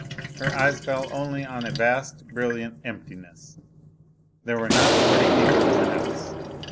Her eyes fell upon only a vast, brilliant emptiness there were not forty people in the house!